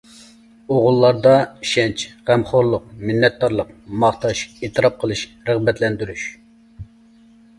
ئوغۇللاردا: ئىشەنچ، غەمخورلۇق، مىننەتدارلىق، ماختاش، ئېتىراپ قىلىش، رىغبەتلەندۈرۈش.